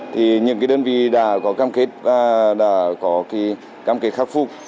thì những đơn vị đã có cam kết khắc phục